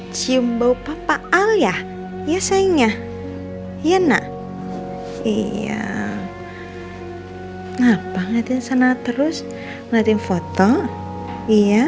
cium bau papa alia ya sayangnya ya nak iya kenapa ngadin sana terus ngadiin foto iya